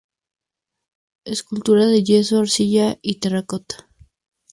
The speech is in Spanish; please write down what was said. Escultura en yeso, arcilla y terracota.